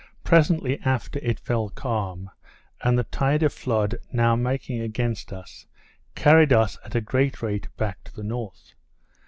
presently after it fell calm, and the tide of flood now making against us, carried us at a great rate back to the north.